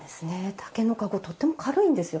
竹の籠とても軽いんですよ。